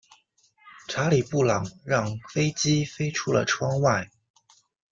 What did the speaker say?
查理布朗让飞机飞出了窗外。